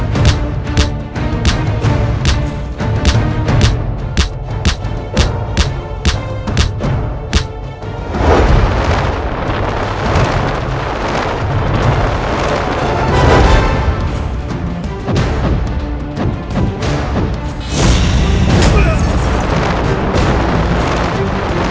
kamu ingin memulai